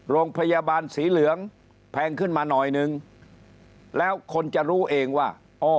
โรงพยาบาลสีเหลืองแพงขึ้นมาหน่อยนึงแล้วคนจะรู้เองว่าอ้อ